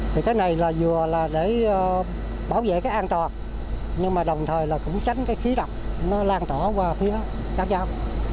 thì cái này là vừa là để bảo vệ cái an toàn nhưng mà đồng thời là cũng tránh cái khí độc nó lan tỏa qua phía các dao